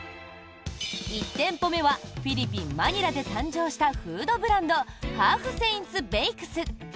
１店舗目はフィリピン・マニラで誕生したフードブランドハーフセインツ・ベイクス。